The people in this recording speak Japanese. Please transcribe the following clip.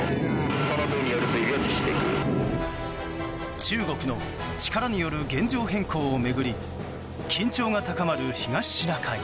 中国の力による現状変更を巡り緊張が高まる東シナ海。